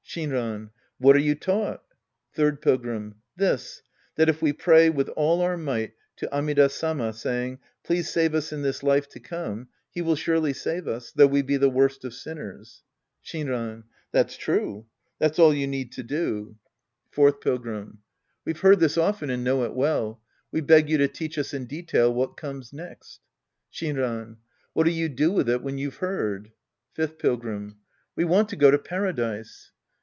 Shinran. What are you taught ? Third Pilgrim. This, that if we pray with all our might to Amida Sama, saying " Please save us in this life to come," he will surely save us, though we be the worst of sinners. Shinran. That's true. That's all you need to do. 68 The Priest and His Disciples Act II Fourth Pilgrim. We've heard this often and know it well. We beg you to teach us in detail what comes next. Shinran. Whal'Il you do with it when you've heard ? Fifth Pilgrim. We want to go to Paradise.